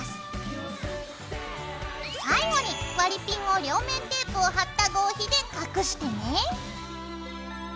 最後に割りピンを両面テープを貼った合皮で隠してね。